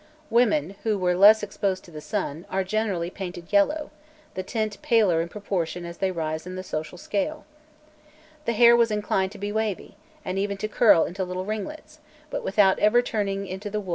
Women, who were less exposed to the sun, are generally painted yellow, the tint paler in proportion as they rise in the social scale. The hair was inclined to be wavy, and even to curl into little ringlets, but without ever turning into the wool of the negro. [Illustration: 059.